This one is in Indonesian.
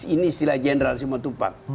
ini istilah general simo tupang